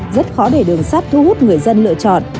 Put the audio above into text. rất khó để đường sắt thu hút người dân lựa chọn